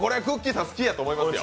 さん好きだと思いますよ。